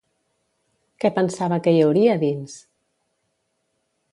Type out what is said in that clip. Què pensava que hi hauria dins?